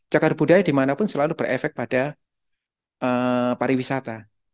cakar budaya dimanapun selalu berefek pada pariwisata